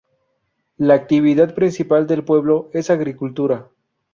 La actividad principal del pueblo es agricultura.